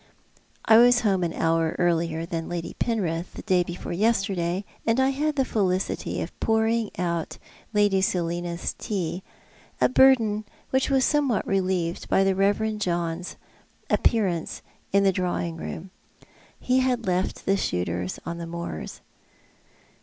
I was home an hour earlier than Lady Penrith the day before yesterdaj% and had the felicity of pouring out Lady Sclina's tea, a burden which was somewhat relieved by the Eeverend John's appearance in the drawing room. He had left the shooters on the moors.